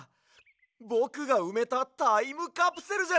ぼくがうめたタイムカプセルじゃないか！